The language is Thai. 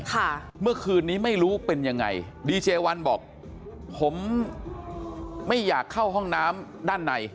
เมื่อคืนนี้ไม่รู้เป็นยังไงดีเจวันบอกผมไม่อยากเข้าห้องน้ำด้านใน